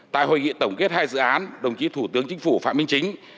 tại hội nghị tổng kết hai dự án đồng chí thủ tướng chính phủ phạm minh chính